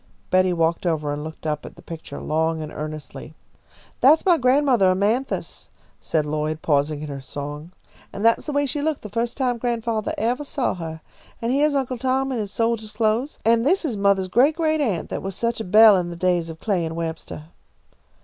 Betty walked over and looked up at the picture long and earnestly. "That's my grandmothah, Amanthis," said Lloyd, pausing in her song, "and that's the way she looked the first time grandfathah evah saw her. And heah's Uncle Tom in his soldier clothes, and this is mothah's great great aunt that was such a belle in the days of Clay and Webstah."